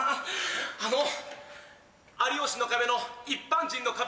あの『有吉の壁』の「一般人の壁」。